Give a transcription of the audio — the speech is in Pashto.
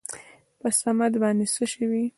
په صمد باندې څه شوي ؟